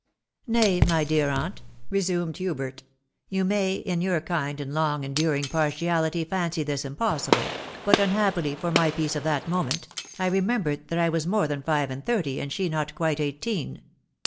4t Nay, my dear aunt," resumed Hubert, "yom may in jour kind and long enduring partiality fancy this impassible; hut, unhappily for my peace at that moment, I .wmmnhwcd thai I was more than five aird thirty, and she not quite *ighieen."